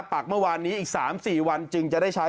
ปากเมื่อวานนี้อีก๓๔วันจึงจะได้ใช้